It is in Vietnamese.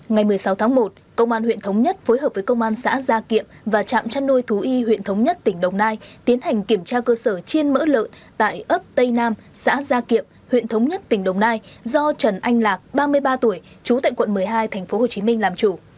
ngày một mươi sáu tháng một công an huyện thống nhất phối hợp với công an xã gia kiệm và trạm chăn nuôi thú y huyện thống nhất tỉnh đồng nai tiến hành kiểm tra cơ sở chiên mỡ lợn tại ấp tây nam xã gia kiệm huyện thống nhất tỉnh đồng nai do trần anh lạc ba mươi ba tuổi trú tại quận một mươi hai tp hcm làm chủ